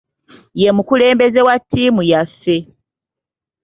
Ye mukulembeze wa ttiimu yaffe.